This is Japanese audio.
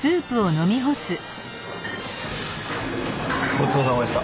ごちそうさまでした。